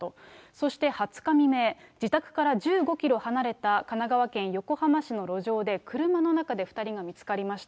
そして２０日未明、自宅から１５キロ離れた神奈川県横浜市の路上で、車の中で２人が見つかりました。